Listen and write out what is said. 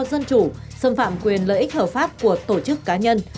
dân chủ xâm phạm quyền lợi ích hợp pháp của tổ chức cá nhân